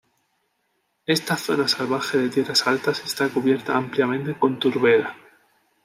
Esta zona salvaje de tierras altas está cubierta ampliamente con turbera.